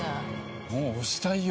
もう押したいよ。